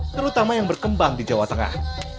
terutama yang berkembang di jawa tengah